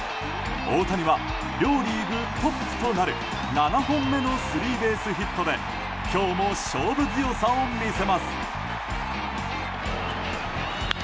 大谷は両リーグトップとなる７本目のスリーベースヒットで今日も勝負強さを見せます。